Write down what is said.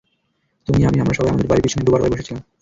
তুমি, আমি, আমরা সবাই আমাদের বাড়ির পেছনের ডোবার পাড়ে বসে ছিলাম।